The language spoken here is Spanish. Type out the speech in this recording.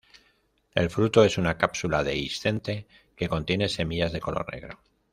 El fruto es una cápsula dehiscente, que contiene semillas de color negro.